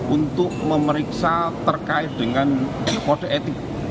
untuk memeriksa terkait dengan kode etik